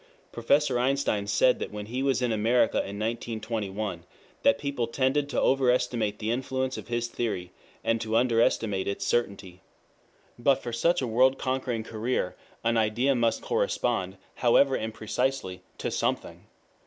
Professor Einstein said when he was in America in 1921 that people tended to overestimate the influence of his theory, and to under estimate its certainty.] But for such a world conquering career an idea must correspond, however imprecisely, to something.